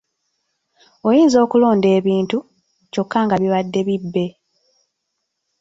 Oyinza okulonda ebintu, kyokka nga bibadde bibbe.